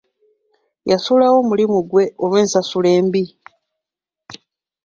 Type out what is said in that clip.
Yasuulawo omulimu gwe olw’ensasula embi.